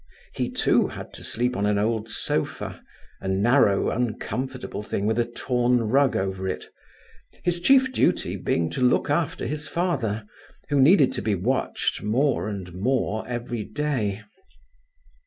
He, too, had to sleep on an old sofa, a narrow, uncomfortable thing with a torn rug over it; his chief duty being to look after his father, who needed to be watched more and more every day.